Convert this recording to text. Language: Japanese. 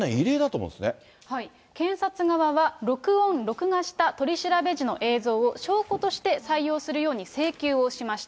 検察側は、録音・録画した取り調べ時の映像を、証拠として採用するように請求をしました。